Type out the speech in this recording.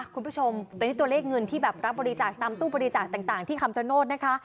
คุณผู้ชมตอนนี้ตัวเลขเงินที่แบบรับบริจาคตามตู้บริจาคต่างที่คำชโนธนะคะ